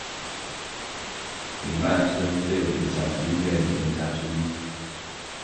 里曼是最有影响力的音乐理论家之一。